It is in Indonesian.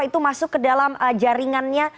itu masuk ke dalam jaringannya